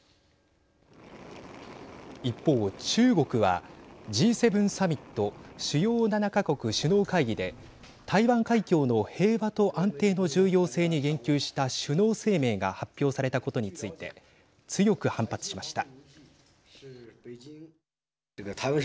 一方、中国はＧ７サミット＝主要７か国首脳会議で台湾海峡の平和と安定の重要性に言及した首脳声明が発表されたことについて強く反発しました。